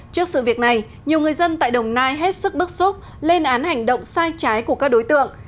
trước sự việc này nhiều người dân tại đồng nai hết sức bức xúc lên án hành động sai trái của các đối tượng